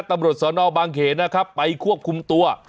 ตำรวจสนบางเขนนะครับไปควบคุมตัว